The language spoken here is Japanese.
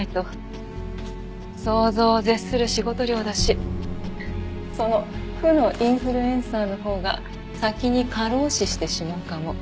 想像を絶する仕事量だしその負のインフルエンサーのほうが先に過労死してしまうかも。